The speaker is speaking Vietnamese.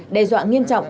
đe dọa nghiêm trọng